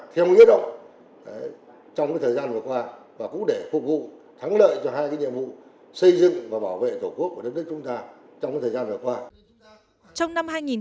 theo người động trong thời gian vừa qua và cũng để phục vụ thắng lợi cho hai nhiệm vụ xây dựng và bảo vệ tổ quốc của đất nước chúng ta trong thời gian vừa qua